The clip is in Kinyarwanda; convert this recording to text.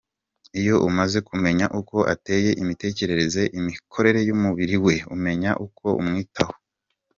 Iyo umaze kumenya uko ateye, imitekerereze, imikorere y’umubiri we, umenya n’uko umwifataho.